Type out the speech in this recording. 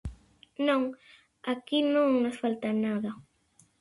Non, aquí non nos falta nada.